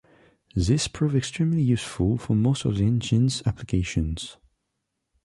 This proved extremely useful for most of the engine's applications.